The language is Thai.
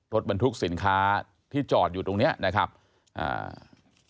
รถบรรทุกสินค้าที่จอดอยู่ตรงเนี้ยนะครับอ่า